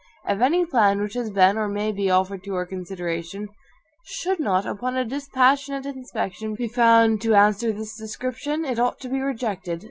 If any plan which has been, or may be, offered to our consideration, should not, upon a dispassionate inspection, be found to answer this description, it ought to be rejected.